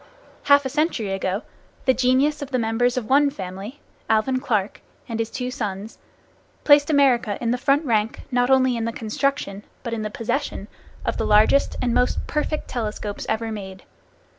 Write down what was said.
Half a century ago the genius of the members of one family, Alvan Clark and his two sons, placed America in the front rank not only in the construction, but in the possession, of the largest and most perfect telescopes ever made.